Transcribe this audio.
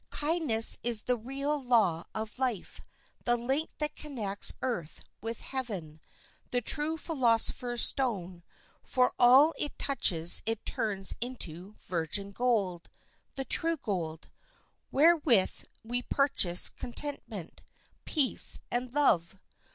Kindness is the real law of life, the link that connects earth with heaven, the true philosopher's stone, for all it touches it turns into virgin gold; the true gold, wherewith we purchase contentment, peace, and love.